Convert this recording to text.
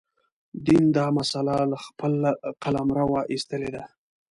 دین دا مسأله له خپل قلمروه ایستلې ده.